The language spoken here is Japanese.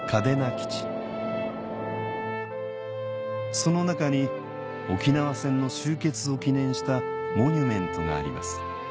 その中に沖縄戦の終結を記念したモニュメントがあります